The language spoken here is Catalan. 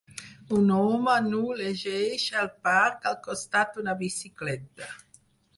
Un home nu llegeix al parc al costat d'una bicicleta.